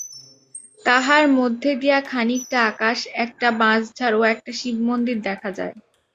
তাহার মধ্য দিয়া খানিকটা আকাশ, একটা বাঁশঝাড় ও একটি শিবমন্দির দেখা যায়।